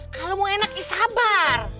kalau mau enak ya sabar